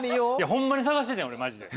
ホンマに探しててん俺マジで。